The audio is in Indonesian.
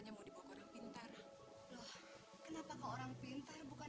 jadi diatte terima empat ratus ribu kang